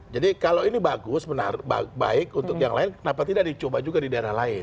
jadi kalau ini bagus baik untuk yang lain kenapa tidak dicoba juga di daerah lain